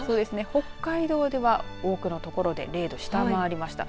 北海道では多くの所で０度を下回りました。